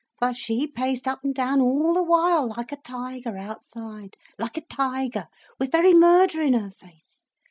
But she paced up and down all the while like a tiger outside, like a tiger, with very murder in her face.